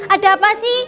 ada apa sih